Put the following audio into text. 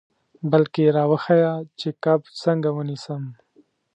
بلکې را وښیه چې کب څنګه ونیسم.